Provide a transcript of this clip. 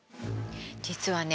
実はね